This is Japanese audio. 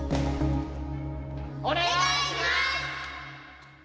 お願いします。